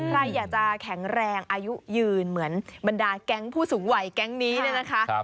ใครอยากจะแข็งแรงอายุยืนเหมือนบรรดาแก๊งผู้สูงวัยแก๊งนี้เนี่ยนะคะ